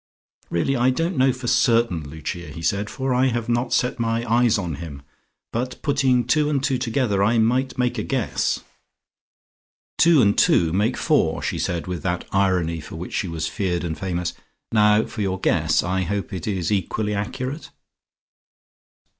"Really, I don't know for certain, Lucia," he said, "for I have not set my eyes on him. But putting two and two together, I might make a guess." "Two and two make four," she said with that irony for which she was feared and famous. "Now for your guess. I hope it is equally accurate."